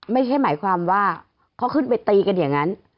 ไม่ใช่หมายความว่าเขาขึ้นไปตีกันอย่างนั้น